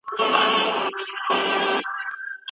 بریالي خلک خپلي موخي یاد داښت کوي.